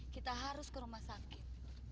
kita harus ke rumah sakit